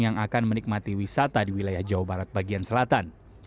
yang akan menikmati wisata di wilayah jawa barat bagian selatan